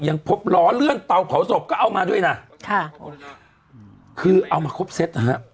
ยังพบล้อเลื่อนเตาเผาศพก็เอามาด้วยนะค่ะคือเอามาครบเซตนะฮะ